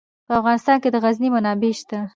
په افغانستان کې د غزني منابع شته.